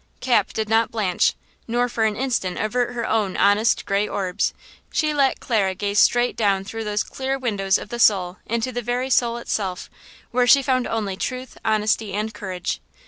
Cap did not blanch nor for an instant avert her own honest, gray orbs; she let Clara gaze straight down through those clear windows of the soul into the very soul itself, where she found only truth, honesty and courage.